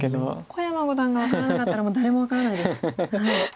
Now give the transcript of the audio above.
小山五段が分からなかったらもう誰も分からないです。